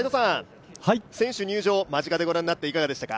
選手入場を間近でご覧になっていかがでしたか？